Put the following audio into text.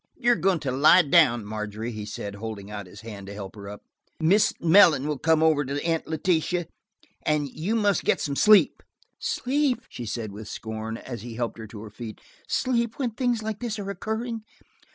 "You are going to lie down, Margery," he said, holding out his hand to help her up. "Mrs. Mellon will come over to Aunt Letitia, and you must get some sleep." "Sleep!" she said with scorn, as he helped her to her feet. "Sleep, when things like this are occurring!